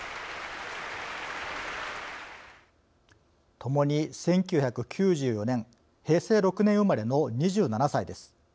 ともに１９９４年、平成６年生まれの２７歳です。